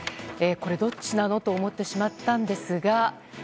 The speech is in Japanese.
これ、どっちなの？と思ってしまったんですが。